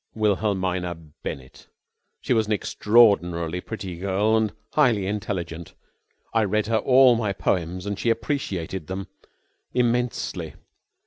"Wilhelmina Bennett. She was an extraordinarily pretty girl and highly intelligent. I read her all my poems and she appreciated them immensely.